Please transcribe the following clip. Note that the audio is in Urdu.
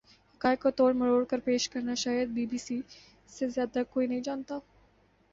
حقائق کو توڑ مروڑ کر پیش کرنا شاید بی بی سی سے زیادہ کوئی نہیں جانتا